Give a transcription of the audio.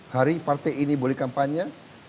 hari partai ini boleh kampanye